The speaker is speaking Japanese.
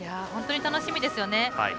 本当に楽しみですよね。